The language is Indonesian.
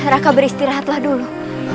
raka beristirahatlah dulu